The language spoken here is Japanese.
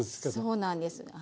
そうなんです。